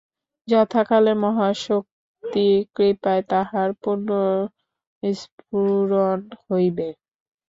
যথাকালে মহাশক্তির কৃপায় তাহার পুনঃস্ফুরণ হইবে।